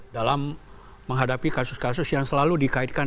dalam menghadapi kasus kasus yang selalu dikaitkan